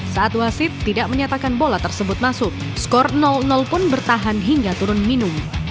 saat wasit tidak menyatakan bola tersebut masuk skor pun bertahan hingga turun minum